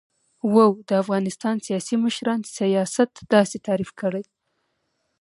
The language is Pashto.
و : د افغانستان سیاسی مشران سیاست داسی تعریف کړی